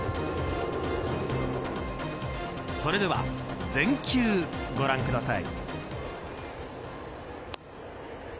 それでは全球ご覧ください。